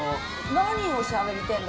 何をしゃべってんだ？